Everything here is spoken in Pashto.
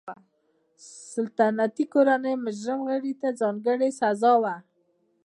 د سلطنتي کورنۍ مجرم غړي ته ځانګړې سزا وه.